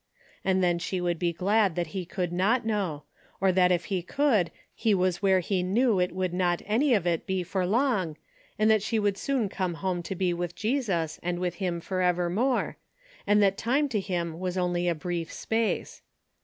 And then she would be glad that he could not know, or that if he could, he was where he knew it would not any of it be for long, and that she would soon come home to be with Jesus and with him forevermore, and that time to him was only a brief space.